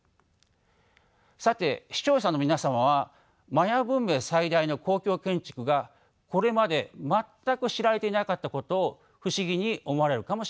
さて視聴者の皆様はマヤ文明最大の公共建築がこれまで全く知られていなかったことを不思議に思われるかもしれません。